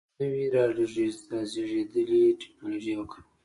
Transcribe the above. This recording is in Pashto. نوې رالېږدېدلې ټکنالوژي یې وکاروله.